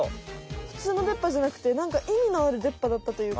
ふつうのでっ歯じゃなくてなんかいみのあるでっ歯だったというか。